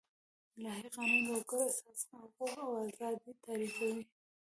الهي قانون د وګړو اساسي حقوق او آزادي تعريفوي.